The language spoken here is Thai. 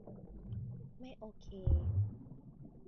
ไม่โอเค.